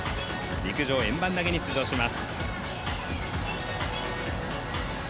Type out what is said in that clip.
陸上、円盤投げに出場します。